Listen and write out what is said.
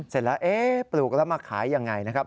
เสร็จแล้วปลูกแล้วมาขายยังไงนะครับ